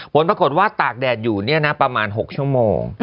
ผลปรากฏว่าตากแดดอยู่ประมาณ๖ชั่วโมง